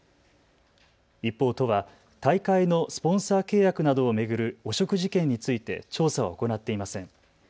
一方、都は大会のスポンサー契約などを巡る汚職事件について調査は行っていません。